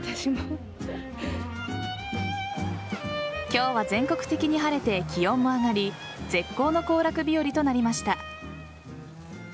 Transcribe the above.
今日は全国的に晴れて気温も上がり絶好の行楽日和となりました。